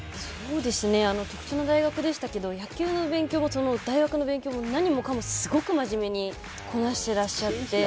特殊な大学でしたけど、野球の勉強も大学の勉強も何もかもすごく真面目にこなしていらっしゃって。